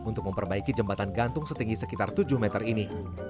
untuk memperbaiki jembatan gantung setinggi sekitar tujuh meter ini